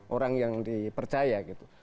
orang yang dipercaya gitu